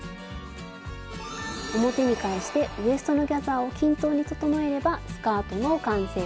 表に返してウエストのギャザーを均等に整えればスカートの完成です。